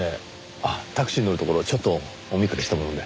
あっタクシーに乗るところちょっとお見かけしたもので。